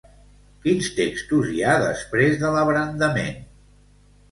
Quins textos hi ha després de L'Abrandament?